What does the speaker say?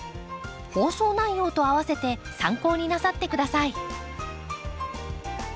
放送内容と併せて参考になさってください。